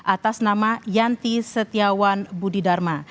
atas nama yanti setiawan budidharma